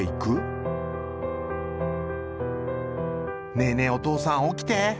「ねえねえ、おとうさん、おきてー」。